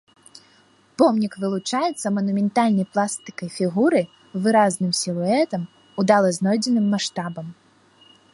Помнік вылучаецца манументальнай пластыкай фігуры, выразным сілуэтам, удала знойдзеным маштабам.